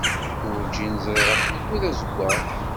Werǧin ẓriɣ afrigu d azeggaɣ.